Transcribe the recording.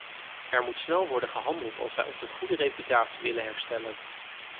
Er moet snel worden gehandeld als wij onze goede reputatie willen herstellen.